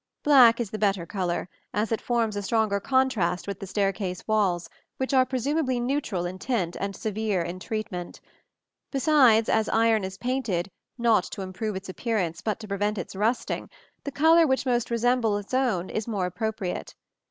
Black is the better color, as it forms a stronger contrast with the staircase walls, which are presumably neutral in tint and severe in treatment. Besides, as iron is painted, not to improve its appearance, but to prevent its rusting, the color which most resembles its own is more appropriate.